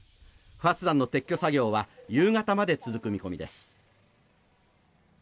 不発弾の撤去作業は夕方まで続く見込みです。